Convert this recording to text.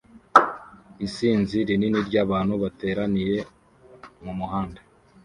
Isinzi rinini ryabantu bateraniye mumuhanda